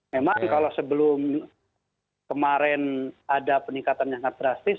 memang kalau sebelum kemarin ada peningkatan yang sangat drastis